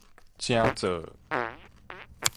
成做